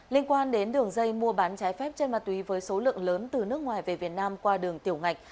liên quan đến đường dây mua bán trái phép trên ma túy với số lượng lớn từ nước ngoài về việt nam qua đường tiểu ngạch